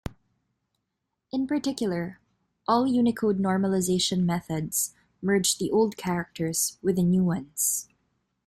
In particular, all Unicode normalization methods merge the old characters with the new ones.